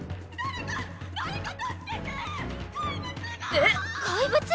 えっ⁉怪物？